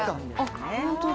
本当だ。